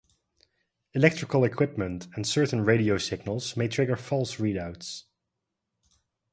Electrical equipment and certain radio signals may trigger false readouts.